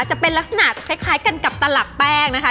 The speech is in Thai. จะเป็นลักษณะคล้ายกันกับตลับแป้งนะคะ